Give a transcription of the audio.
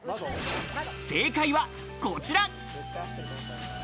正解はこちら。